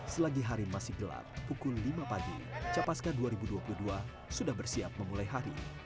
selagi hari masih gelap pukul lima pagi capaska dua ribu dua puluh dua sudah bersiap memulai hari